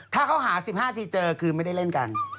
ถ้าเขาหา๑๕ทีเจอคือไม่ได้เล่นกัน